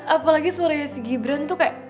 apalagi suaranya si gibran tuh kayak